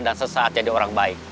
dan sesaat jadi orang baik